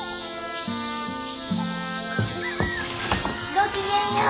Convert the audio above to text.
ごきげんよう！